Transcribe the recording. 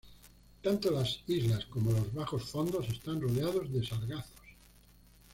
Tanto las islas como los bajos fondos están rodeados de sargazos.